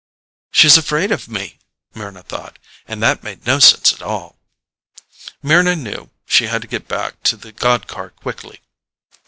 She's afraid of me! Mryna thought. And that made no sense at all. Mryna knew she had to get back to the god car quickly.